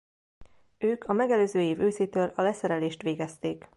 Ők a megelőző év őszétől a leszerelést végezték.